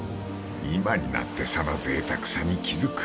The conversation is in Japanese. ［今になってそのぜいたくさに気付く］